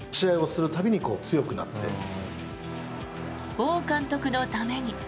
王監督のために。